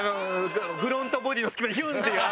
フロントボディの隙間にヒュンって入って悪魔が。